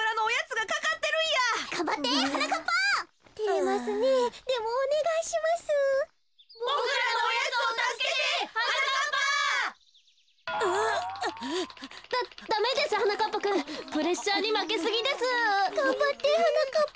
がんばってはなかっぱ。